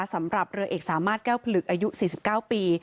สำหรับเรือเอกสามารถแก้วผลึกอายุ๔๙ปี